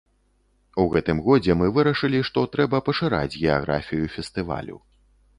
У гэтым годзе мы вырашылі, што трэба пашыраць геаграфію фестывалю.